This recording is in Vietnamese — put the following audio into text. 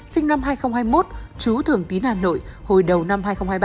sinh năm hai nghìn hai mươi một chú thường tín hà nội hồi đầu năm hai nghìn hai mươi ba